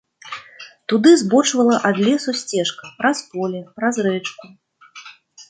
Туды збочвала ад лесу сцежка праз поле, праз рэчку.